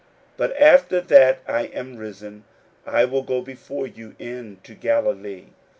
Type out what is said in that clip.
41:014:028 But after that I am risen, I will go before you into Galilee.